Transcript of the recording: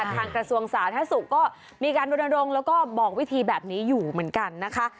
ทางกระทรวงศาสุก็มีการดนรงแล้วก็บอกวิธีแบบนี้อยู่เหมือนกันนะคะ